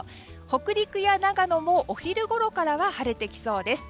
北陸や長野もお昼ごろからは晴れてきそうです。